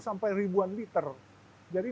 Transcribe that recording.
sampai ribuan liter jadi